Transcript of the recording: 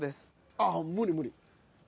あぁ無理無理。